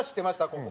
ここ。